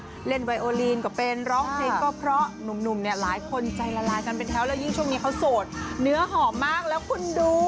ถ้าเล่นไวโอลีนก็เป็นร้องเพลงก็เพราะหนุ่มเนี่ยหลายคนใจละลายกันเป็นแถวแล้วยิ่งช่วงนี้เขาโสดเนื้อหอมมากแล้วคุณดู